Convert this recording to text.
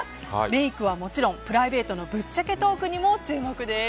メイクはもちろんプライベートのぶっちゃけトークにも注目です。